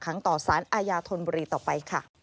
ต่อสารอาญาธนบุรีต่อไปค่ะ